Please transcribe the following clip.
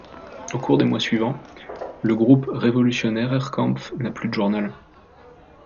Au cours des mois suivants, le groupe Revolutionärer Kampf n'a plus de journal.